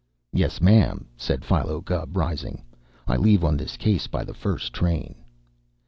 "Yes, ma'am," said Philo Gubb, rising. "I leave on this case by the first train."